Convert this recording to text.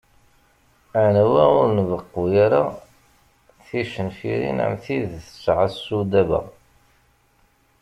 Anwa ur nbeqqu ara ticenfirin am tid tesɛa Sudaba.